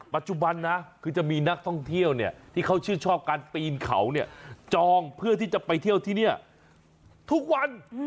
ปัจจุบันนะคือจะมีนักท่องเที่ยวเนี่ยที่เขาชื่นชอบการปีนเขาเนี่ยจองเพื่อที่จะไปเที่ยวที่นี่ทุกวัน